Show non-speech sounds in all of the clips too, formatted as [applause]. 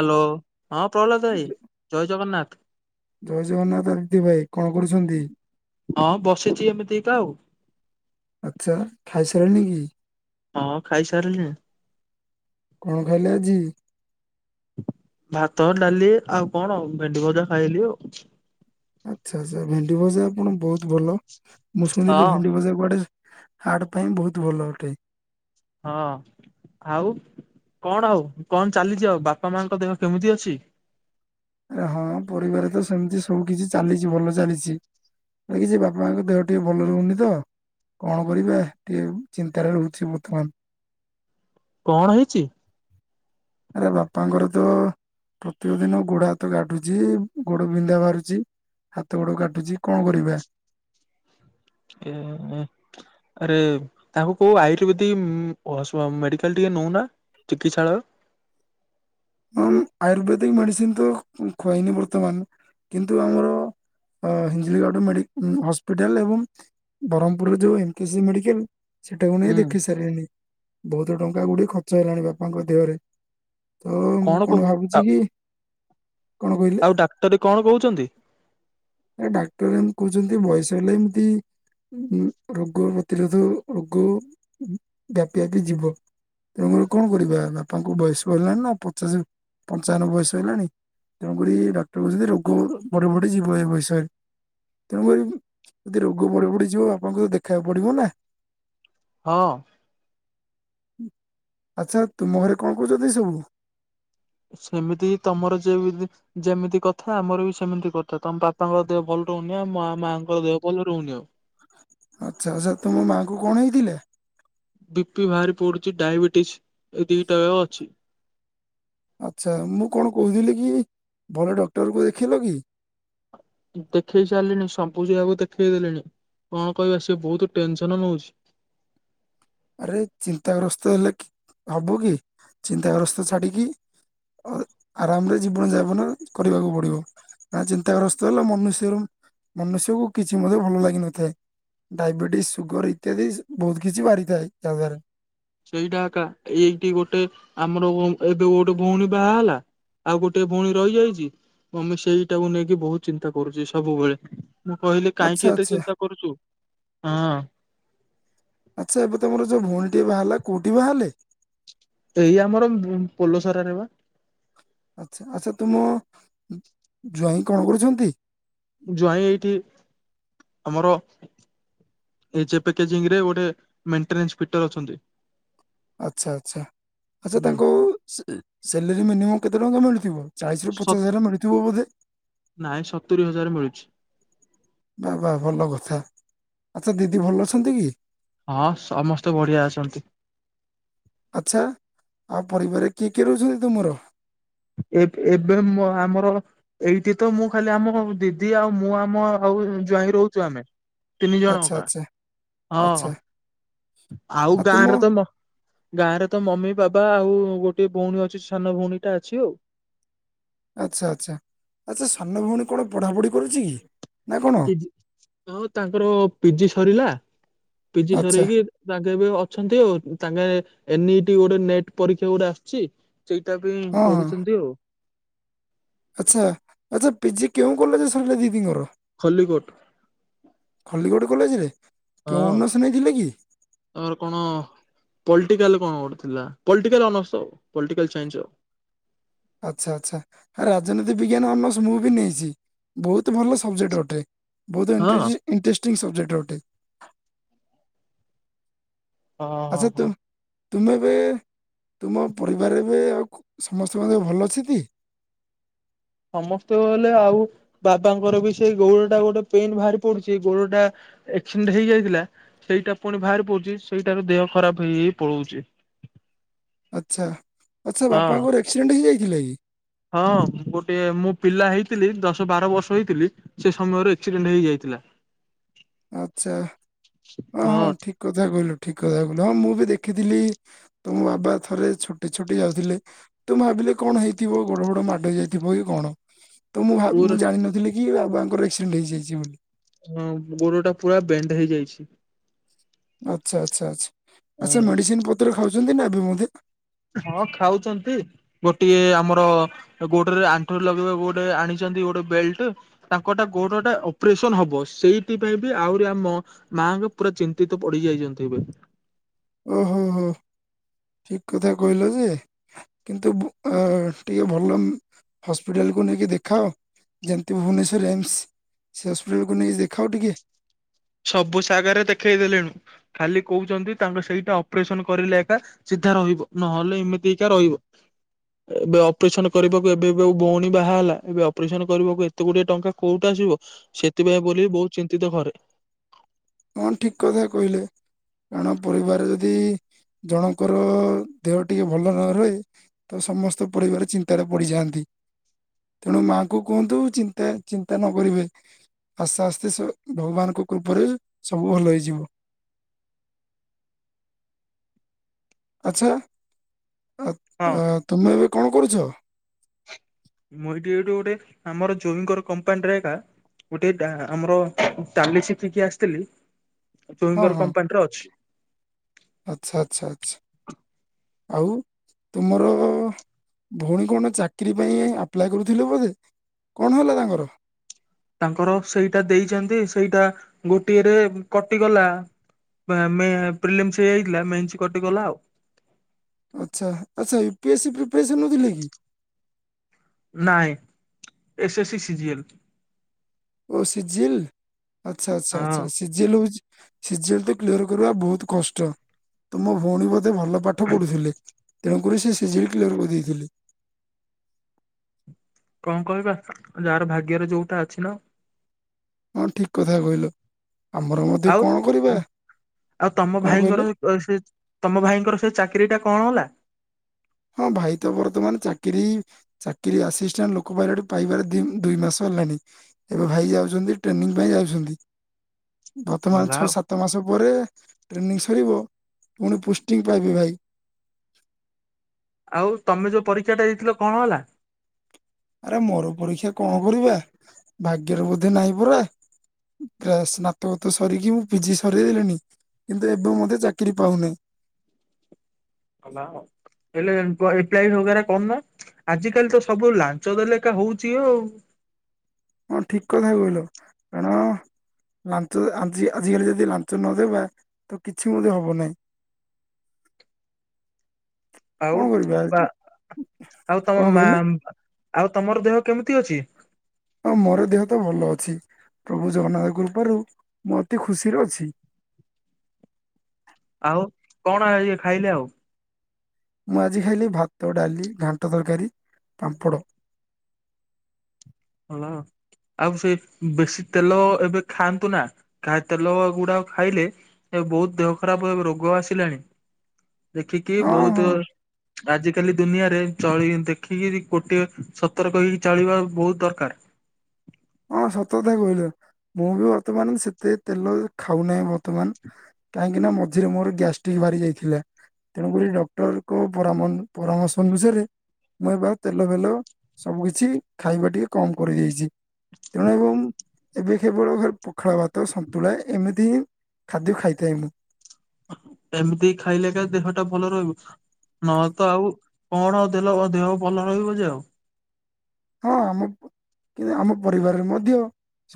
Hello, ହଁ ପ୍ରହ୍ଲାଦ ଭାଇ ଜୟ ଜଗନ୍ନାଥ। ଜୟ ଜଗନ୍ନାଥ ଆଦିତ୍ୟ ଭାଇ, କଣ କରୁଛନ୍ତି? ହଁ ବସିଚି ଏମିତି ଏକା ଆଉ। ଆଚ୍ଛା, ଖାଇସାରିଲେଣିି କି? ହଁ ଖାଇସାରିଲିଣି। କଣ ଖାଇଲେ ଆଜି? ଭାତ, ଡାଲି ଆଉ କଣ ଭେଣ୍ଡି ଭଜା ଖାଇଲି ଆଉ। ଆଚ୍ଛା-ଆଚ୍ଛା ଭେଣ୍ଡି ଭଜା ଆପଣ ବହୁତ୍ ଭଲ, ମୁଁ ଶୁଣିଲି ହଁ। ଭେଣ୍ଡି ଭଜା କୁଆଡେ ହାର୍ଟ ପାଇଁ ବହୁତ୍ ଭଲ ଅଟେ। ହଁ ଆଉ କଣ ଆଉ କଣ ଚାଲିଚି ଆଉ, ବାପା ମାଙ୍କ ଦେହ କେମିତି ଅଛି? ଆରେ ହଁ ପରିବାର ତ ସେମ୍ତି ସବୁ କିଛି ଚାଲିଚି ଭଲ ଚାଲିଚି। ନା କିଛି ବାପା ମାଙ୍କ ଦେହ ଟିକେ ଭଲ ରହୁନି ତ କଣ କରିବା ଟିକେ ଚିନ୍ତାରେ ରହୁଚି ବର୍ତ୍ତମାନ୍। କଣ ହେଇଚି? ଆରେ ବାପାଙ୍କର ତ ପ୍ରତ୍ୟେକ ଦିନ ଗୋଡ ହାତ କଟୁଚି, ଗୋଡ ବିନ୍ଧା ବାହାରୁଚି। ହାତ ଗୋଡ କାଟୁଚି କଣ କରିବା। [inaudible] ଆରେ ତାଙ୍କୁ କୋଉ ଆୟୁର୍ବେଦିକ [unintelligible] ମେଡିକାଲ୍ ଟିକେ ନଉନା। ଚିକିତ୍ସାଳୟ। ହଁ ଆୟୁର୍ବେଦିକ୍ ମେଡିସିନ୍ ତ ଖୁଆଇନି ବର୍ତ୍ତମାନ୍, କିନ୍ତୁ ଆମର ଅ ହିଞ୍ଜିଳିଗଡ ମେଡି ହସ୍ପିଟାଲ୍ ଏବଂ ବ୍ରହ୍ମପୁରରେ ଯୋଉ ଏମ କେ ସିଜି ମେଡିକାଲ୍ ସେଟାକୁ ନେଇ ହୁଁ ଦେଖେଇ ସାରିଲିଣି, ବହୁତ ଟଙ୍କା ଗୁଡିଏ ଖର୍ଚ୍ଚ ହେଲାଣି ବାପାଙ୍କ ଦେହରେ। ତ ମୁଁ କଣ ଭାବୁଚି କି, କଣ କହିଲେ? [unintelligible] କଣ କହୁଚନ୍ତି? ଆ ଡାକ୍ତର ଏମ୍ତି କହୁଚନ୍ତି ଯେ ବୟସ ହେଲେ ଏମ୍ତି ରୋଗ ପ୍ରତିରୋଧ ରୋଗ ବ୍ୟାପି-ବ୍ୟାପି ଯିବ। ତେଣୁକରି କଣ କରିବା ବାପାଙ୍କୁ ବୟସ ହେଲାଣି ନା ପଚାଶ ପଞ୍ଚାବନ ବୟସ ହେଲାଣି। ତେଣୁକରି ଡାକ୍ତର କହୁଚନ୍ତି ରୋଗ ବଢ଼ି-ବଢ଼ି ଯିବ ଏ ବୟସ ରେ। ତେଣୁକରି ଯଦି ରୋଗ ବଢି-ବଢି ଯିବ ବାପାଙ୍କୁ ତ ଦେଖେଇବାକୁ ପଡିବ ନା। ହଁ। ଆଚ୍ଛା ତୁମ ଘରେ କଣ କରୁଛନ୍ତି ଏ ସବୁ। ସେମିତି ହିଁ ତମର ଯେମିତି। ଯେମିତି କଥା ଆମର ବି ସେମିତି କଥା ତମ ବାପାଙ୍କ ଦେହ ଭଲ ରହୁନି ଆଉ ମ ମାଆଙ୍କ ଦେହ ଭଲ ରହୁନି ଆଉ। ଆଚ୍ଛା ଆଛା ତୁମ ମାଆଙ୍କୁ କଣ ହେଇଥିଲା। ବି ପି ଭାରି ପଡୁଛି ଡାଇବେଟିସ ଏଇ ଦିଟା ଅଛି। ଆଚ୍ଛା ମୁଁ କଣ କହୁଥିଲି କି ଭଲ ଡକ୍ଟର କୁ ଦେଖେଇଲ କି? ଦେଖେଇ ସାରିଲିଣି ସବୁ ଜାଗାକୁ ଦେଖେଇ ଦେଲିଣି କଣ କହିବା ସିଏ ବହୁତ ଟେନସନ ନଉଛି। ଆରେ ଚିନ୍ତାଗ୍ରସ୍ତ ହେଲେ ହବ କି ଚିନ୍ତାଗ୍ରସ୍ତ ଛାଡିକି ଆରାମରେ ଜୀବନ ଯାପନ କରିବାକୁ ପଡିବ। ନା ଚିନ୍ତାଗ୍ରସ୍ତ ହେଲା ମନୁଷ୍ୟରୁ ମନୁଷ୍ୟକୁ କିଛି ମଧ୍ୟ ଭଲ ଲାଗିନଥାଏ। ଡାଇବେଟିସ ସୁଗର ଇତ୍ୟାଦି ସେ ବହୁତ କିଛି ବାହାରିଥାଏ ଯାହାଦ୍ୱାରା। ସେଇଟା ଆକା ଏ ଏଇଠି ଗୋଟେ ଆମର ଓ ଏବେ ଗୋଟେ ଭଉଣୀ ବାହା ହେଲା ଆଉ ଗୋଟେ ଭଉଣୀ ରହିଯାଇଛି ମମି ସେଇଟାକୁ ନେଇକି ବହୁତ ଚିନ୍ତା କରୁଚି ସବୁବେଳେ। ମୁଁ କହିଲି ଆଚ୍ଛା କାହିଁକି ଏତେ ଆଚ୍ଛା ଚିନ୍ତା କରୁଚୁ ହଁ। ଆଚ୍ଛା ଏବେ ତମର ଯୋଉ ଭଉଣୀ ଟି ବାହାଲା କୋଉଠି ବାହାଲେ। ଏଇ ଆମର ଭୁ ପୋଲସରା ରେ ବା। ଆଚ୍ଛା ଆଚ୍ଛା ତୁମ ଜ୍ୱାଇଁ କଣ କରୁଛନ୍ତି। ଜ୍ୱାଇଁ ଏଇଠି ଆମର ଏଚେ ପେ କେଜୀଙ୍ଗ ରେ ଗୋଟେ ମେଣ୍ଟେନାନ୍ସ ଫିଟର ଅଛନ୍ତି। ଆଚ୍ଛା ଆଚ୍ଛା ଆଚ୍ଛା ହୁଁ ତାଙ୍କୁ ସେ ସେଲୋରୀ ମିନିମମ୍ କେତେ ତାଙ୍କୁ ଟଙ୍କା ମିଳୁଥିବ। ଚାଳିଶ ରୁ ସ ପଚାଶ ହଜାର ମିଳୁଥିବ ବୋଧେ। ନାଇଁ ସତୁରି ହଜାର ମିଳୁଛି। ବା ବା ଭଲ କଥା ଆଚ୍ଛା ଦିଦି ଭଲ ଅଛନ୍ତି କି? ହଁ ସମସ୍ତେ ବଢିଆ ଅଛନ୍ତି। ଆଚ୍ଛା ଆଉ ପରିବାର କିଏ କିଏ ରହୁଛନ୍ତି ତୁମର। ଏବେ ଏବେ ମୋ ଆମର ଏଇଠି ତ ମୁଁ ଖାଲି ଆମ ଦିଦି ଆଉ ମୁଁ ଆମ ଆଉ ଜ୍ୱାଇଁ ରହୁଛୁ ଆମେ। ତିନି ଆଚ୍ଛା ଜଣଙ୍କା। ଆଚ୍ଛା। ଆଚ୍ଛା ହଁ ଆଉ ଗାଁରେ ତ ମ ଗାଁ ରେ ତ ମମି ବାବା ଆଉ ଗୋଟେ ଭଉଣୀ ଅଛି ସାନ ଭଉଣୀ ଟା ଅଛି ଆଉ। ଆଚ୍ଛା ଆଚ୍ଛା ଆଚ୍ଛା ସାନ ଭଉଣୀ କଣ ପଢାପଢି କରୁଛି କି ନା କଣ। ହଁ ତାଙ୍କର ପି ଜି ସରିଲା ପି ଜି ଆଚ୍ଛା ସରିକି ତାଙ୍କେ ଏ ବି ଅଛନ୍ତି ଆଉ ତାଙ୍କେ ଏନ ଇ ଟି ଗୋଟେ ନେଟ୍ ପରୀକ୍ଷା ଗୋଟେ ଆସଚି ସେଇଟା ପାଇଁ ହଁ ହଁ ପଢୁଛନ୍ତି ଆଉ। ଆଚ୍ଛା ଆଚ୍ଛା ପି ଜି କେଉଁ କଲେଜ୍ ରେ ସରିଲା ଦିଦିଙ୍କର। ଖଲିିକୋଟ୍। ଖଲିକୋଟ କଲେଜରେ କେଉଁ ଅନ୍ନସ ନେଇଥିଲେ କି? ତାଙ୍କର କଣ ପଲିଟିକାଲ କଣ ଗୋଟେ ଥିଲା ପଲିଟିକାଲ ଅନର୍ସ ପଲଟିକାଲ ସାଇନ୍ସ ଆଉ। ଆଚ୍ଛା ଆଚ୍ଛା ରାଜନୀତି ବିଜ୍ଞାନ ଅନସ ମୁଁ ବି ନେଇଛି ବହୁତ ଭଲ ସବଜେକ୍ଟ ଅଟେ। ବହୁତ ହଁ ଇଣ୍ଟରେସ୍ ଇଣ୍ଟ୍ରେଷ୍ଟିଙ୍ଗ ସବଜେକ୍ଟ ଅଟେ। ହଁ ହଁ ଆଛା ତ୍ରୁ ହଁ ତୁମେ ବି ତୁମ ପରିବାରରେ ବି ଆଉ କ ସମସ୍ତଙ୍କ ଦେହ ଭଲ ଅଛି ତି। ସମସ୍ତେ ବୋଲେ ଆଉ ବାବାଙ୍କର ବି ସେ ଗୋଉଡ ଟା ଗୋଟେ ପେନ୍ ବାହାରି ପଡୁଛି ଗୋଡ ଟା ଏକ୍ସିଡେଣ୍ଟ ହେଇଯାଇଥିଲା ସେଇଟା ପୁଣି ବାହାରି ପଡୁଛି ସେଇଟାର ଦେହ ଖରାପ ହେଇ ହେଇ ପଳଉଛି। ଆଚ୍ଛା ଆଚ୍ଛା ବାପାଙ୍କର ଏକ୍ସିଡେଣ୍ଟ ହେଇଯାଇଥିଲା କି? ହଁ ହଁ ଗୋଟେ ମୁଁ ପିଲା ହେଇଥିଲି ଦଶ ବାର ବର୍ଷ ହେଇଥିଲି ସେ ସମୟରେ ଏକ୍ସିଡେଣ୍ଟ ହେଇଯାଇଥିଲା। ଆଚ୍ଛା ହଁ ହଁ ଠିକ୍ କଥା କହିଲ ଠିକ୍ କଥା କହିଲ। ହଁ ମୁଁ ବି ଦେଖିଥିଲି ତମ ବାବା ଥରେ ଛୋଟେଇ ଛୋଟେଇ ଯାଉଥିଲେ। ତ ମୁଁ ଭାବିଲି କଣ ହେଇଥିବ ଗୋଡ ଫୋଡ଼ ମାଡ ହେଇ ଯାଇଥିବ କି କଣ। ତ ମୁଁ ଭାବ ପୁର ମୁଁ ଜାଣିନଥିଲି କି ବାବାଙ୍କର ଆକ୍ସିଡେଣ୍ଟ ହେଇଯାଇଚି ବୋଲି। ହଁ ଗୋଡ ଟା ପୁରା ବେଣ୍ଡ ହେଇଯାଇଚି। ଆଚ୍ଛା ଆଚ୍ଛା ଆଚ୍ଛା। ଆଚ୍ଛା ମେଡିସିନ୍ ପତ୍ର ଖାଉଛନ୍ତି ନା ଏବେ ମଧ୍ୟ? ହଁ ଖାଉଚନ୍ତି ଗୋଟିଏ ଆମର ଗୋଡରେ ଆଣ୍ଠୁ ରେ ଲଗେଇବାକୁ ଗୋଟେ ଆଣିଚନ୍ତି ଗୋଟେ ବେଲ୍ଟ। ତାଙ୍କଟା ଗୋଡ ଟା ଅପରେସନ୍ ହବ। ସେଇଥି ପାଇଁ ବି ଆହୁରି ଆମ ମାଙ୍କ ପୁରା ଚିନ୍ତିତ ପଡି ଯାଇଚନ୍ତି ଏବେ। ଓ ହୋ ହୋ। ଠିକ୍ କଥା କହିଲ ଯେ କିନ୍ତୁ ବୁ ଅ ଟିକେ ଭଲ ହସ୍ପିଟାଲକୁ ନେଇକି ଦେଖାଅ। ଯେମିତି ଭୁବନେଶ୍ୱର ଏମ୍ସ ସେ ହସ୍ପିଟାଲକୁ ନେଇକି ଦେଖାଅ ଟିକେ। ସବୁ ଜାଗରେ ଦେଖେଇ ଦେଲୁଣୁ। ଖାଲି କହୁଛନ୍ତି ତାଙ୍କ ସେଇଟା ଅପରେସନ୍ କରିଲେ ଏକା ସିଧା ରହିବ ନହେଲେ ଏମିତି ହେଇକା ରହିବ। ଏବେ ଅ ଅପରେସନ୍ କରିବାକୁ ଏବେ ଏବେ ଭଉଣୀ ବାହା ହେଲା। ଏବେ ଅପରେସନ୍ କରିବାକୁ ଏତେ ଗୁଡ଼ିଏ ଟଙ୍କା କୋଉଠୁ ଆସିବ। ସେଥିପାଇଁ ବୋଲି ବହୁତ୍ ଚିନ୍ତିତ ଘରେ। ହଁ ଠିକ୍ କଥା କହିଲେ। କାରଣ ପରିବାର ରେ ଯଦି ଜଣଙ୍କର ଦେହ ଟିକେ ଭଲ ନ ରହେ ତ ସମସ୍ତେ ପରିବାର ଚିନ୍ତାରେ ପଡିିଯାଆନ୍ତି। ତେଣୁ ମାଙ୍କୁ କୁହନ୍ତୁ ଚିନ୍ତା ଚିନ୍ତା ନ କରିବେ। ଆସ୍ତେ ଆସ୍ତେ ସ ଭଗବାନଙ୍କ କୃପାରୁ ସବୁ ଭଲ ହେଇଯିବ। ଆଚ୍ଛା ଆ ହଁ। ଆ ତୁମେ ଏବେ କଣ କରୁଛ? ମୁଁ ଏଇଠି ଏଇଠୁ ଗୋଟେ ଆମର ଜୋଇଁଙ୍କର କମ୍ପାନୀରେ ଏକା ଗୋଟେ ଡା ଆମର ଟାଲି ଶିଖିକି ଆସିଥିଲି, ଜ୍ୱାଇଁ ହଁ ଙ୍କର ହଁ କମ୍ପାନୀରେ ଅଛି। ଆଚ୍ଛା ଆଚ୍ଛା ଆଚ୍ଛା। ଆଉ ତୁମର ଭଉଣୀ କଣ ଚାକିରି ପାଇଁ ଆପ୍ଲାଏ କରୁଥିଲୁ ବୋଧେ, କଣ ହେଲା ତାଙ୍କର? ତାଙ୍କର ସେଇଟା ଦେଇଛନ୍ତି ସେଇଟା ଗୋଟିଏରେ କଟିଗଲା। ପେ ମେ ପ୍ରିଲିମ୍ସ୍ ହେଇଯାଇଥିଲା, ମେନ୍ସ୍ କଟିଗଲା ଆଉ। ଆଚ୍ଛା। ଆଚ୍ଛା ୟୁି ପି ଏସି ପ୍ରିପାରେସନ ହଉଥିଲେ କି? ନାଇଁ। S C C G L. ଓ ସିଜିଏଲ୍। ଆଚ୍ଛା ଆଚ୍ଛା ଆଚ୍ଛା। ହଁ ସି ସି ଜି ଏଲ୍ ହଉଚି ସି ଜି ଏଲ୍ ତ କ୍ଲିୟର କରିବା ବହୁତ୍ କଷ୍ଟ। ତମ ଭଉଣୀ ବୋ ଧେ ଭଲ ପାଠ ପଢୁଥିଲେ। ତେଣୁକରି ସେ ସି ଜି ଏଲ୍ କ୍ଲିୟର କରିଦେଇଥିଲେ। କଣ କହିବା ଯାହାର ଭାଗ୍ୟର ଯୋଉଟା ଅଛି ନା। ହଁ ଠିକ୍ କଥା କହିଲ। ଆମର ମଧ୍ୟ ଆଉ କଣ କରିବା। ଆଉ ତମ କଣ କହିଲେ? [unintelligible] ତମ ଭାଇଙ୍କର ସେ ଚାକିରି ଟା କଣ ହେଲା? ହଁ ଭାଇ ତ ବର୍ତ୍ତମାନ ଚାକିରି ଚାକିରି ଆସିଷ୍ଟାଣ୍ଟ ଲୋକ ପାଇଲଟ୍ ପାଇବାର ଦି ଦୁଇ ମାସ ହେଲାଣି। ଏବେ ଭାଇ ଯାଉଚନ୍ତି ଟ୍ରେନିଂ ପାଇଁ ଯାଉଛନ୍ତି। ବର୍ତ୍ତମାନ ଗଲା ଛଅ ଆଉ ସାତ ମାସ ପରେ ଟ୍ରେନିଂ ସରିବ। ପୁଣି ପୋଷ୍ଟିଂ ପାଇବେ ଭାଇ। ଆଉ ତମେ ଯୋଉ ପରୀକ୍ଷା ଟା ଦେଇଥିଲ କଣ ହେଲା? ଆରେ ମୋର ପରୀକ୍ଷା କଣ କରିବା, ଭାଗ୍ୟର ବୋଧେ ନାହିଁ ପରା। କ୍ଲାସ ସ୍ନାତକତା ସରିକି ମୁଁ ପିଜି ସରିଦେଲିଣି। କିନ୍ତୁ ଏବେ ମଧ୍ୟ ଚାକିରି ପାଉନାହିଁ। ତମ ନାଁ କଣ? ହେଲେ ଏପ୍ ହଗରା କରୁନ ଆଜିକାଲି ତ ସବୁ ଲାଞ୍ଚ ଦେଲେ ଲେଖା ହଉଛି ଆଉ ହଁ ଠିକ କଥା କହିଲ କାରଣ ଲାଞ୍ଚ ଆଜି ଆଜିକାଲି ଯଦି ଲାଞ୍ଚ ନଦେବା ତ କିଛି ମଧ୍ୟ ହବ ନାହିଁ। ଆଉ କଣ କରିବା ବା ଆଉ ତମ କଣ ମା କହିଲେ ଆଉ ତମର ଦେହ କେମିତି ଅଛି? ହଁ ମୋର ଦେହ ତ ଭଲ ଅଛି ପ୍ରଭୁ ଜଗନ୍ନାଥଙ୍କ କୃପାରୁ ମୁଁ ଅତି ଖୁସିରେ ଅଛି। ଆଉ କଣ ଇଏ ଖାଇଲେ ଆଉ ମୁଁ ଆଜି ଖାଇଲି ଭାତ ଡାଲି ଘାଣ୍ଟ ତରକାରୀ ପାମ୍ପଡ଼। ହଁ। ଆଉ ସେ ବେଶୀ ତେଲ ଏବେ ଖାଆନ୍ତୁ ନା କା ତେଲ ଗୁଡା ଖାଇଲେ ଏ ବହୁତ ଦେହ ଖରାପ ରୋଗ ଆସିଲାଣି ଦେଖିକି ହଁ ବହୁତ ହଁ ଆଜି କାଲି ଦୁନିଆରେ ଚଳି ଦେଖିକି ଗୋଟିଏ ସତରକ ହେଇକି ଚଳିବା ବହୁତ ଦରକାର। ହଁ ସତକଥା କହିଲେ ମୁଁ ବି ବର୍ତ୍ତମାନ ସେତେ ତେଲ ଖାଉନାହିଁ ବର୍ତ୍ତମାନ। କାହିଁକି ନା ମଝିରେ ମୋର ଗ୍ୟାଷ୍ଟ୍ରିକ ବାହାରି ଯାଇଥିଲା। ତେଣୁକରି ଡକ୍ଟରକ ପାରମନ୍ ପରାମର୍ଶ ଅନୁସାରେ ମୁଁ ଏ ବା ତେଲ ମେଲ ସବୁ କିଛି ଖାଇବା ଟିକେ କମ୍ କରିଦେଇଚି ତେଣୁ ଏବେ କେବଳ ଖା ପଖାଳ ଭାତ ସନ୍ତୁଳା ଏମିତି ହିଁ ଖାଦ୍ୟ ଖାଇଥାଏ ମୁଁ। ଏମିତି ଖାଇଲେ ତ ଦେହଟା ଭଲ ରହିବ। ନ ତ ଆଉ କଣ ଦେଲ ଦେହ ଭଲ ରହିବ ଯେ ଆଉ ହଁ ଆମ କିଏ ଆମ ପରିବାରରେ ମଧ୍ୟ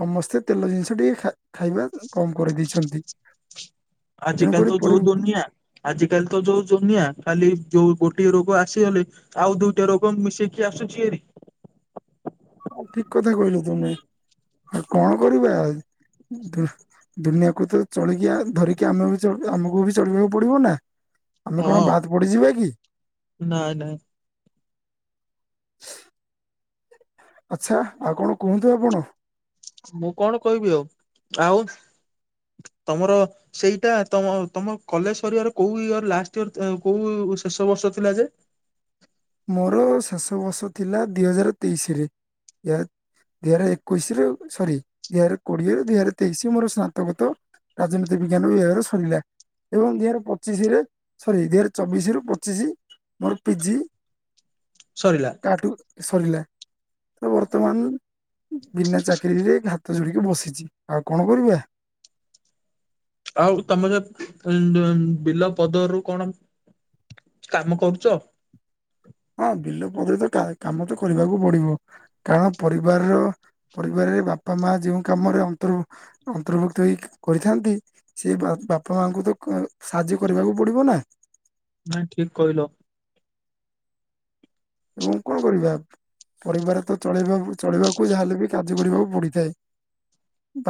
ସମସ୍ତେ ତେଲ ଜିନିଷ ଟିକେ ଖା ଖାଇବା କମ୍ କରି ଦେଇଛନ୍ତି। ଆଜିକାଲି ତ ଯୋଉ ଦୁନିଆ। ଆଜି କାଲି ତ ଯୋଉ ଜୁନିଆ ଖାଲି ଯୋଉ ଗୋଟିଏ ରୋଗ ଆସିଗଲେ ଆଉ ଦୁଇଟା ରୋଗ ମିଶେଇକି ଆସୁଚି ହାରି। ଆଉ ଠିକ୍ କଥା କହିଲ ତୁମେ ଆଉ କଣ କରିବା ଧୁ ଦୁନିଆକୁ ତ ଚଳିକି ଆ ଧରିକି ଆମେ ବି ଚ ଆମକୁ ବି ଚଳିବାକୁ ପଡିବ ନା? ଆମେ କଣ ବାଦ୍ ପଡିଯିବା କି? ନାଇ ନାଇଁ। ଆଚ୍ଛା ଆଉ କଣ କୁହନ୍ତୁ ଆପଣ? ମୁଁ କଣ କହିବି ଆଉ ଆଉ ତମର? ସେଇଟା ତମ ତମ କଲେଜ ସିରିବାର କୋଉ ଇୟର ଲାଷ୍ଟ ଇୟର ତି ଉଁ କୋଉ ଉ ଶେଷ ବର୍ଷ ଥିଲା ଯେ ମୋର ଶେଷ ବର୍ଷ ଥିଲା ଦି ହଜାର ତେଇଶିରେ ୟା ଦି ହଆରେ ଏକୋଇଶିରୁ ସରି ଦି ହଆରେ କୋଡିଏରୁ ଦି ହଜାରେ ତେଇଶ ମୋର ସ୍ନାତକତ। ରାଜନୀତି ବିଜ୍ଞାନ ବିଭାଗରେ ସରିଲା। ଏବଂ ଦି ହାର୍ ପଚିଶିରେ ସରି ଦି ହାର୍ ଚବିଶିରୁ ପଚିଶି ମୋର ପିଜି। ସରିଲା। ଆଠୁ ସରିଲା। ତ ବର୍ତ୍ତମାନ ଉଁ ବିନା ଚାକିରିରେ ହାତ ଯୋଡିକି ବସିଚି ଆଉ କଣ କରିବା? ଆଉ ତମେ ଯ ଉଁ ଦଁ ଉଁ ବିଲ ପଦରୁ କଣ? କାମ କରୁଚ? ହଁ ବିଲ ପଦରରେ ତ କା କାମ ତ କରିବାକୁ ପଡିବ କାରଣ ପରିବାରର ପରିବାରରେ ବାପା ମା ଯେଉଁ କାମରେ ଅନ୍ତର୍ଭୁକ୍ତ ଅନ୍ତର୍ଭୁକ୍ତ ହେଇ କରିଥାନ୍ତି। ସେଇ ବା ବାପା ମାଙ୍କୁ ତ କ ସାହାଯ୍ୟ କରିବାକୁ ପଡିବ ନା ନାଇଁ ଠିକ୍ କଇଲ ଏବଂ କଣ କରିବା ଆପ୍ ପରିବାର ତ ଚଳେଇବାବୁ ଚଳିବାକୁ ଯାହା ହେଲେ ବି କାର୍ଯ୍ୟ କରିବାକୁ ପଡିଥାଏ।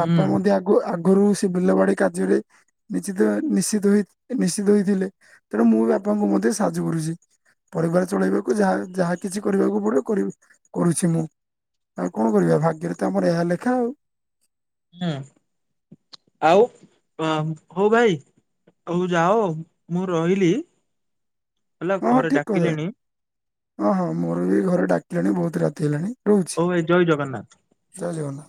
ହୁଁ ମଧ୍ୟ ଆଗୁ ଆଗୁରୁ ସେ ବିଲ ବାଡି କାର୍ଯ୍ୟରେ ନିଚିତ ଭା ନିଷିଧ ହେଇ ନିଷିଧ ହେଇଥିଲେ ତେଣୁ ମୁଁ ବି ବାପାଙ୍କୁ ମଧ୍ୟ ସାହାଯ୍ୟ କରୁଚି। ପରିବାର ଚଳେଇବାକୁ ଯାହା ଯାହା କିଛି କରିବାକୁ ପଡିବ କରିବି କରୁଛି ମୁଁ ଆଉ କଣ କରିବା ଭାଗ୍ୟରେ ତ ଆମର ଏହା ଲେଖା ଆଉ ହୁଁ ଆଉ ଉଁ ହଉ ଭାଇ ଅହୁ ଯାଅ ମୁଁ ରହିଲି ହେଲା ହଁ ହଁ ଘରେ ଠିକ୍ କଦା ଡାକିଲେଣି ହଁ ହଁ ମୋର ବି ଘରେ ଡାକିଲେଣି ବୋହୁତ ରାତି ହେଲାଣି ରହୁଛି ହୋଉ ଭାଇ ଜୟ ଜଗନ୍ନାଥ ଜୟ ଜଗନ୍ନା